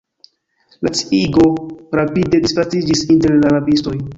La sciigo rapide disvastiĝis inter la rabistoj.